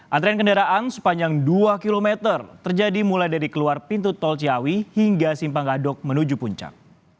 antrean kendaraan sepanjang dua km terjadi mulai dari keluar pintu tol ciawi hingga simpang gadok menuju puncak